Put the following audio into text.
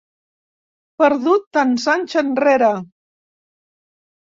Perdut tants anys enrere.